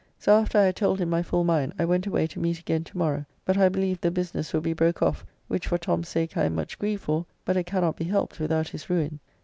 So after I had told him my full mind, I went away to meet again to morrow, but I believe the business will be broke off, which for Tom's sake I am much grieved for, but it cannot be helped without his ruin.